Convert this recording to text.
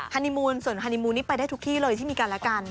ฮนีมูลส่วนฮานีมูลนี้ไปได้ทุกที่เลยที่มีกันและกัน